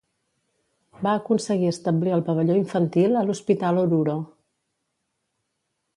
Va aconseguir establir el Pavelló Infantil a l'Hospital Oruro.